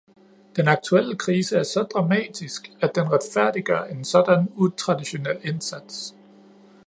Den aktuelle krise er så dramatisk, at den retfærdiggør en sådan utraditionel indsats.